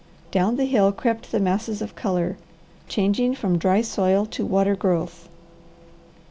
Down the hill crept the masses of colour, changing from dry soil to water growth.